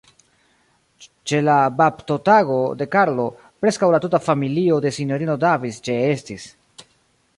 Ĉe la baptotago de Karlo, preskaŭ la tuta familio de Sinjorino Davis ĉeestis.